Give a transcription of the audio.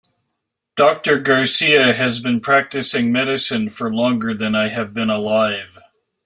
Doctor Garcia has been practicing medicine for longer than I have been alive.